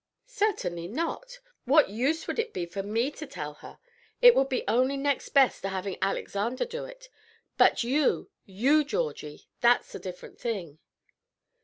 "Certainly not. What use would it be for me to tell her? It would be only next best to having Alexander do it. But you, you, Georgie, that is a different thing."